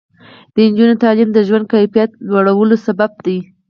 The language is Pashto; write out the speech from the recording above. د نجونو تعلیم د ژوند کیفیت لوړولو سبب دی.